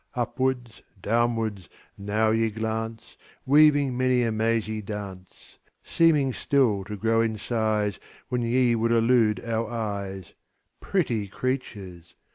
Upwards, downwards, now ye glance, Weaving many a mazy dance; Seeming still to grow in size When ye would elude our eyes Pretty creatures!